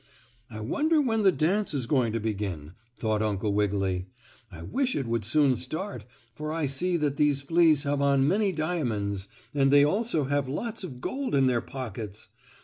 "I wonder when the dance is going to begin?" thought Uncle Wiggily. "I wish it would soon start, for I see that these fleas have on many diamonds, and they also have lots of gold in their pockets.